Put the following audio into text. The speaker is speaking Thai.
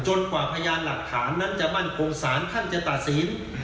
กว่าพยานหลักฐานนั้นจะมั่นคงสารท่านจะตัดสิน